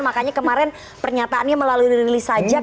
makanya kemarin pernyataannya melalui rilis sajak